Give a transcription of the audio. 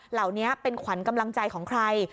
เหล่านี้เป็นขวัญกำลังใจของใคร